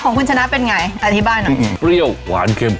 ของคุณชนะเป็นไงอธิบายหน่อยเปรี้ยวหวานเค็ม